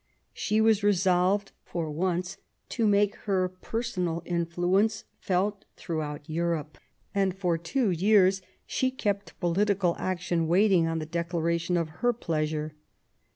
She was resolved for once to make her personal influence felt throughout Europe, and for two years she kept political action waiting on the declaration of her pleasure.